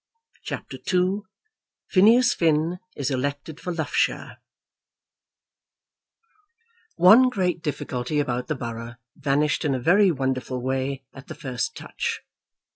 CHAPTER II Phineas Finn Is Elected for Loughshane One great difficulty about the borough vanished in a very wonderful way at the first touch.